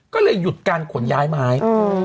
ก็เลยหยุดการขนย้ายไม้